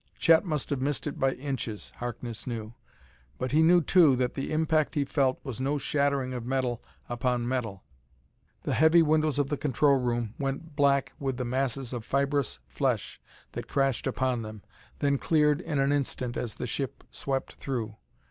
Chet must have missed it by inches, Harkness knew; but he knew, too, that the impact he felt was no shattering of metal upon metal. The heavy windows of the control room went black with the masses of fibrous flesh that crashed upon them; then cleared in an instant as the ship swept through.